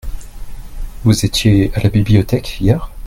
Vous étiez à la bibliothèque hier ?